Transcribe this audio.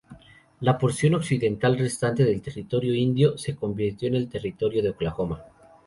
La porción occidental restante del Territorio Indio se convirtió en el Territorio de Oklahoma.